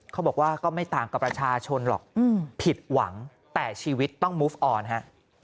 เขาบอกว่าก็ไม่ต่างกับประชาชนหรอกผิดหวังแต่ชีวิตต้องมุฟออนฮะ